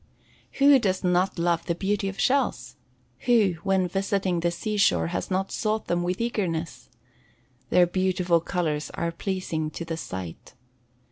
Who does not love the beauty of shells? Who, when visiting the sea shore, has not sought them with eagerness? Their beautiful colors are pleasing to the sight.